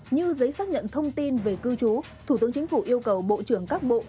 như giấy xác nhận thông tin về cư trú thủ tướng chính phủ yêu cầu bộ trưởng các bộ